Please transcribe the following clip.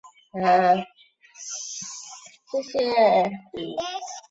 在他年轻的时候已被阿积士青年队侦察。